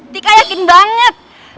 tika yakin banget